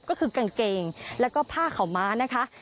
ก็คือกางเกงแล้วก็ผ้าขาวม้านะคะ